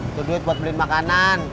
itu duit buat beli makanan